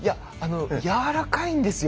やわらかいんですよ。